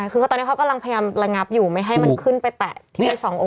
คือตอนนี้เขากำลังพยายามระงับอยู่ไม่ให้มันขึ้นไปแตะที่สององ